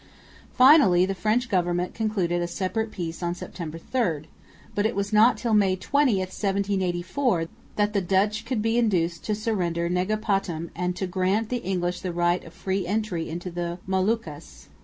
Finally the French government concluded a separate peace on September 3; but it was not till May 20, 1784, that the Dutch could be induced to surrender Negapatam and to grant to the English the right of free entry into the Moluccas.